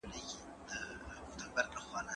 هوښيارانو دي راوړي دا نكلونه